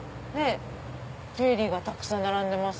ジュエリーがたくさん並んでます。